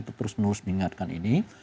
terus menerus mengingatkan ini